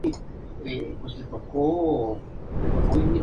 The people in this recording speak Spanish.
Fue un encuentro que sólo se decidió en los últimos minutos.